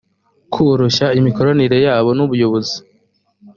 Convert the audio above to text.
kworoshya imikoranire yabo n ubuyobozi